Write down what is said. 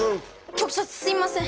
局長すいません。